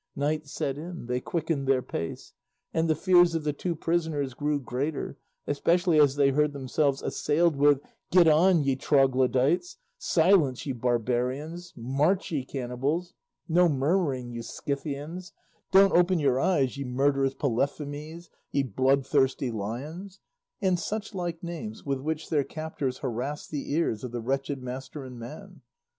Night set in, they quickened their pace, and the fears of the two prisoners grew greater, especially as they heard themselves assailed with "Get on, ye Troglodytes;" "Silence, ye barbarians;" "March, ye cannibals;" "No murmuring, ye Scythians;" "Don't open your eyes, ye murderous Polyphemes, ye blood thirsty lions," and suchlike names with which their captors harassed the ears of the wretched master and man.